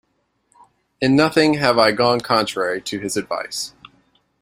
In nothing have I gone contrary to his advice.